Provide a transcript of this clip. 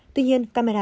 tuy nhiên camera